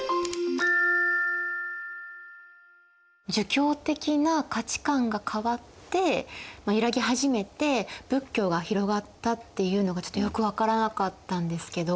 儒教的な価値観が変わって揺らぎ始めて仏教が広がったっていうのがちょっとよく分からなかったんですけど。